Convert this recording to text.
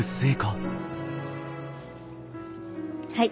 はい。